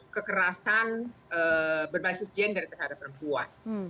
kekerasan berbasis gender terhadap perempuan